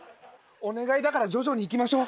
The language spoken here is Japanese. お願いだから徐々に行きましょう。